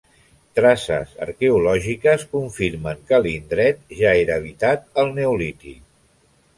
Traces arqueològiques confirmen que l'endret ja era habitat al neolític.